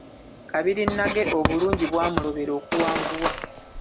Kabirinnage obulungi bwamulobera okuwanvuwa!